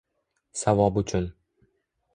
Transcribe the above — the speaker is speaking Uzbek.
Savob uchun